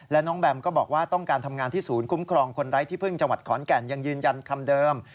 และน้องแบมก็บอกว่าต้องการทำงานที่ศูนย์คุ้มครองคนไร้ที่พึ่งจังหวัดขอนแก่นยังยืนยันคำเดิม